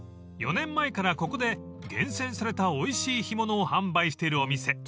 ［４年前からここで厳選されたおいしい干物を販売しているお店］